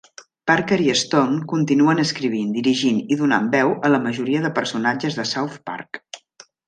Parker i Stone continuen escrivint, dirigint i donant veu a la majoria de personatges de "South Park".